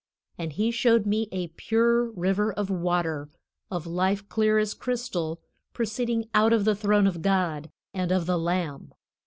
"And he shewed me a pure river of water of life clear as crystal proceeding out of the throne of God and of the Lamb.